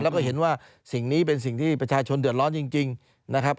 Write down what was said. แล้วก็เห็นว่าสิ่งนี้เป็นสิ่งที่ประชาชนเดือดร้อนจริงนะครับ